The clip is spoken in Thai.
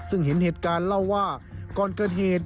ซึ่งเห็นเหตุการณ์เล่าว่าก่อนเกิดเหตุ